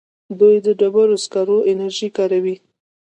دوی د ډبرو سکرو انرژي کاروي.